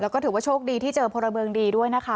แล้วก็ถือว่าโชคดีที่เจอพลเมืองดีด้วยนะคะ